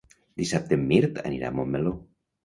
Dissabte en Mirt anirà a Montmeló.